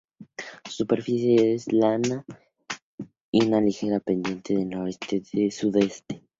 Su superficie es llana con una ligera pendiente de noroeste a sudeste.